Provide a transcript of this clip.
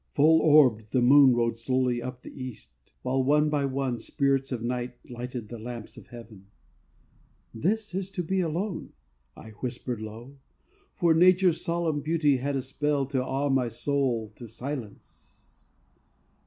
Full orbed the moon Rode slowly up the east; while, one by one, Spirits of night lighted the lamps of heaven. "This is to be alone!" I whispered low, For nature's solemn beauty had a spell To awe my soul to silence.